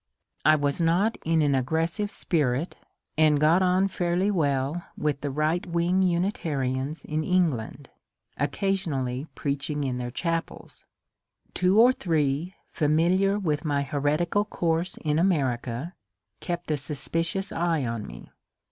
I was not in an aggressive spirit, and got on fairly well with the right wing Unitarians in England, occasionally preaching in their chapels. Two or three, familiar with my heretical course in America, kept a suspicious eye on me.